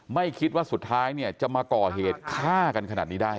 ไม่คิดว่าสุดท้ายเนี่ยจะมาก่อเหตุฆ่ากันขนาดนี้ได้